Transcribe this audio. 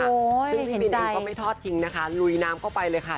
ซึ่งพี่บินเองก็ไม่ทอดทิ้งนะคะลุยน้ำเข้าไปเลยค่ะ